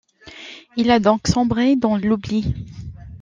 Il a donc sombré dans l'oubli.